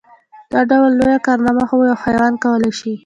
دا ډول لويه کارنامه خو يو حيوان کولی شي.